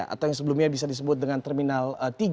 atau yang sebelumnya bisa disebut dengan terminal tiga